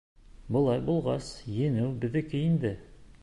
Былай булғас, еңеү беҙҙеке инде!